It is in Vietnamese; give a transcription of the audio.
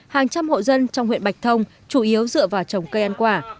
hàng trăm hộ dân trong huyện bạch thông chủ yếu dựa vào trồng cây ăn quả